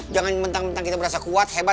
jangan mentang mentang kita merasa kuat hebat